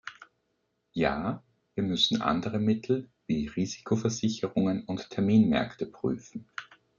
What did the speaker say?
Ja, wir müssen andere Mittel wie Risikoversicherungen und Terminmärkte prüfen.